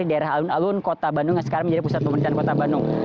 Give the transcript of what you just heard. daerah alun alun kota bandung yang sekarang menjadi pusat pemerintahan kota bandung